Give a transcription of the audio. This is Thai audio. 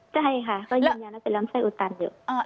ใช่ค่ะก็ยืนยันว่าเป็นลำไส้อุดตันอยู่